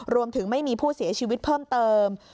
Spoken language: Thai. รวมถึงไม่มีผู้เสียชีวิตเพิ่มเติม